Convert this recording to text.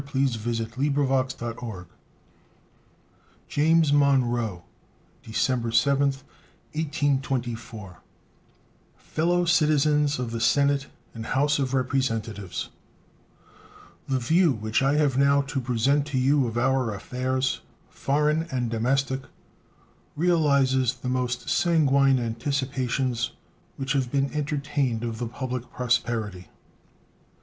State of the Union Address James Monroe December 7, 1824 Fellow Citizens of the Senate and House of Representatives: The view which I have now to present to you of our affairs, foreign and domestic, realizes the most sanguine anticipations which have been entertained of the public prosperity.